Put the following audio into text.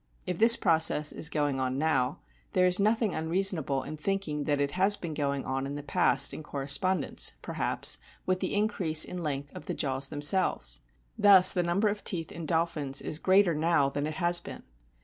If this process is going on now, there is nothing unreasonable in thinking that it has been going on in the past in corres pondence, perhaps, with the increase in length of the jaws themselves. Thus the number of teeth in dolphins is greater now than it has been.